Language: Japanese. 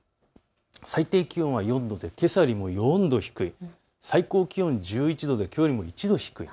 最低気温は４度でけさよりも４度低い、最高気温１１度できょうよりも１度低い。